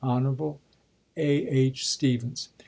Hon. A. H. Stephens.